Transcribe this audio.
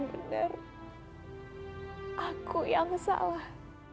benar aku yang salah